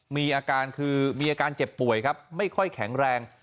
มีอาการเจ็บป่วยไม่ค่อยแข็งแรง